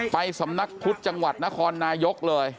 ไปสำนักพุทธจังหวัดนครนายกเลย